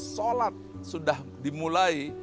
solat sudah dimulai